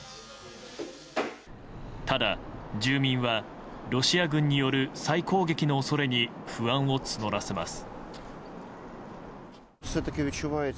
ただ、住民はロシア軍による再攻撃の恐れに不安を募らせます。